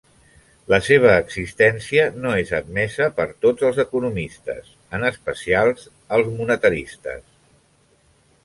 La seva existència no és admesa per tots els economistes, en especial els monetaristes.